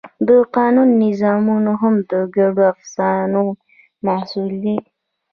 د قانون نظامونه هم د ګډو افسانو محصول دي.